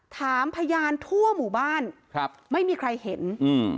ถามพยานทั่วหมู่บ้านครับไม่มีใครเห็นอืม